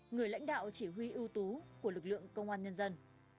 người lãnh đạo chỉ huy ưu tú của lực lượng công an nhân dân